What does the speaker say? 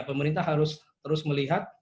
pemerintah harus terus melihat